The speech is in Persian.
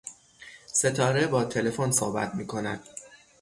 ستاره با تلفن صحبت می کند